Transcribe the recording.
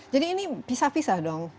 jadi ini pisah pisah dong